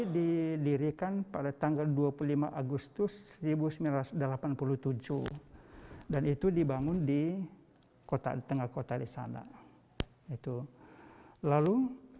didirikan pada tanggal dua puluh lima agustus seribu sembilan ratus delapan puluh tujuh dan itu dibangun di kota tengah kota di sana itu lalu